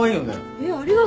えっありがとう。